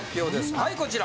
はいこちら。